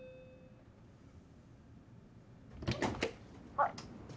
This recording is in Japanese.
「あっ」